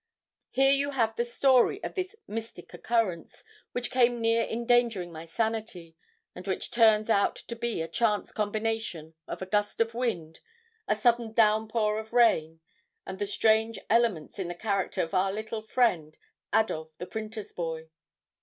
Here you have the story of this 'mystic' occurrence, which came near endangering my sanity, and which turns out to be a chance combination of a gust of wind, a sudden downpour of rain, and the strange elements in the character of our little friend Adolphe the printer's boy.